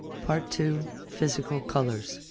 PART II. PHYSICAL COLOURS.